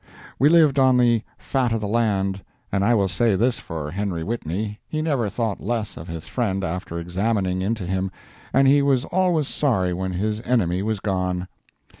We lived on the fat of the land. And I will say this for Henry Whitney—he never thought less of his friend after examining into him, and he was always sorry when his enemy was gone.